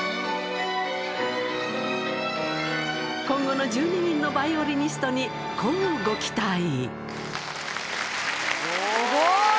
今後の１２人のヴァイオリニストに乞うご期待。